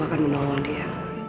aku akan menolong dia